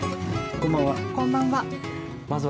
こんばんは。